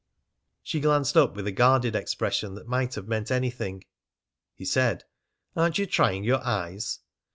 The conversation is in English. She glanced up with a guarded expression that might have meant anything. He said: "Aren't you trying your eyes?"